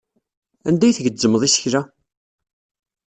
Anda ay tgezzmeḍ isekla?